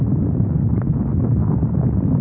ada jumped chair mereka